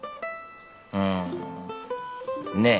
うんねえ。